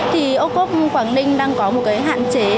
thì ô cốp quảng ninh đang có một cái hạn chế